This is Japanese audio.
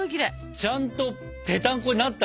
ちゃんとぺたんこになったね。